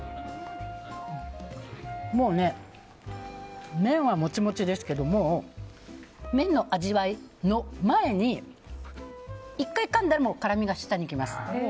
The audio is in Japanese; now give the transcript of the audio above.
もうね、麺はモチモチですけどもう、麺の味わいの前に１回かんだら辛みが舌にきます。